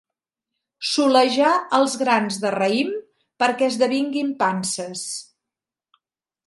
Solejar els grans de raïm perquè esdevinguin panses.